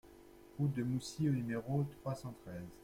Route de Moussy au numéro trois cent treize